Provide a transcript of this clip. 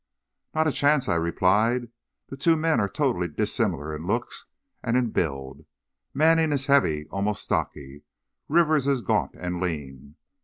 "Not a chance," I replied. "The two men are totally dissimilar in looks and in build. Manning is heavy, almost stocky. Rivers is gaunt and lean.